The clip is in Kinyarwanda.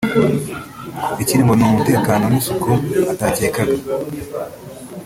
ikindi ngo n’umutekano n’isuku atakekaga